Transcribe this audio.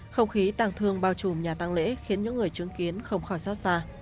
không khí tăng thương bao trùm nhà tăng lễ khiến những người chứng kiến không khỏi xót xa